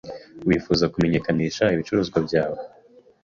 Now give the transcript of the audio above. wifuza kumenyekanisha ibicuruzwa byawe